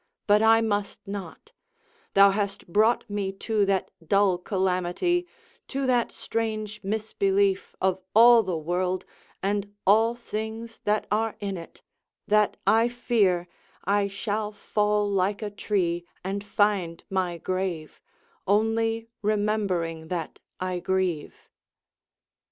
but I must not: Thou hast brought me to that dull calamity, To that strange misbelief of all the world And all things that are in it, that I fear I shall fall like a tree, and find my grave, Only remembering that I grieve.